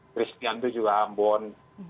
kristen itu juga ambon